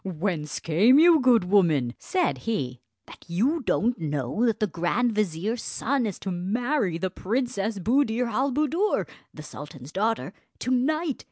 "Whence came you, good woman," said he, "that you don't know that the grand vizier's son is to marry the Princess Buddir al Buddoor, the sultan's daughter, to night?